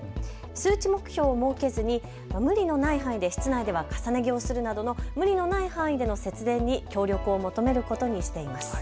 数値目標を設けずに無理のない範囲で室内では重ね着をするなどの無理のない範囲での節電に協力を求めることにしています。